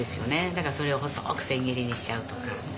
だからそれを細く千切りにしちゃうとか。